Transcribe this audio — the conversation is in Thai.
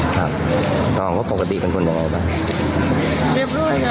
ตั้งว่าแม่ก็ตั้งรถกับน้องพันธิลา